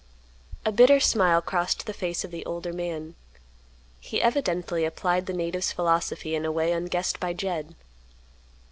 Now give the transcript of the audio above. A bitter smile crossed the face of the older man. He evidently applied the native's philosophy in a way unguessed by Jed.